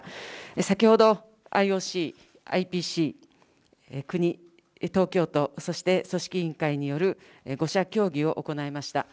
先ほど、ＩＯＣ、ＩＰＣ、国、東京都、そして組織委員会による５者協議を行いました。